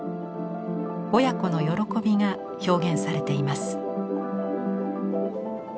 親子の喜びが表現されています。